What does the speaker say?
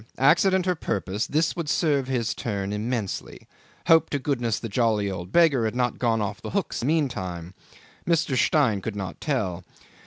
Accident or purpose, this would serve his turn immensely. Hoped to goodness the jolly old beggar had not gone off the hooks meantime. Mr. Stein could not tell.